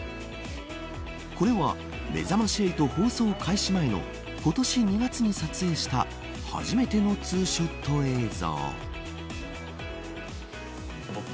これは、めざまし８放送開始前の今年２月に撮影した初めてのツーショット映像。